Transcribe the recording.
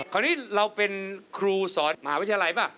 คราวนี้เราเป็นครูสอนมหาวิทยาลัยป่ะ